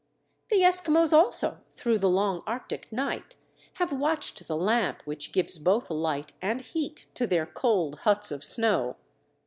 The Eskimos also, through the long arctic night have watched the lamp which gives both light and heat to their cold huts of snow.